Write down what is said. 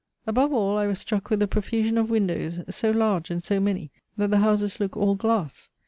Above all, I was struck with the profusion of windows, so large and so many, that the houses look all glass.